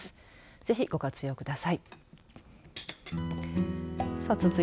ぜひご活用ください。